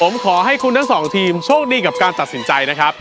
ผมขอให้คุณทั้งสองทีมโชคดีกับการตัดสินใจนะครับ